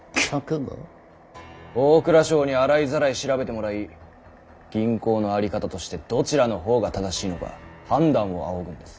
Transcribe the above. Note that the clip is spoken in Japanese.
大蔵省に洗いざらい調べてもらい銀行の在り方としてどちらの方が正しいのか判断を仰ぐんです。